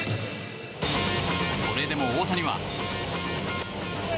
それでも大谷は。